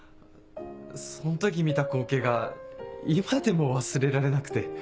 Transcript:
その時見た光景が今でも忘れられなくて。